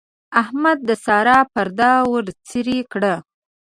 احمد د سارا پرده ورڅېرې کړه.